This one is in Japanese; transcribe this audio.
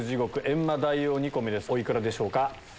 お幾らでしょうか？